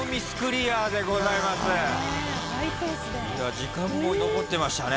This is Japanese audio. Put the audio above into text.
時間も残ってましたね。